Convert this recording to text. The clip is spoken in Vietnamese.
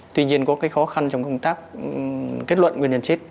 tuy nhiên có cái khó khăn trong công tác kết luận nguyên nhân chết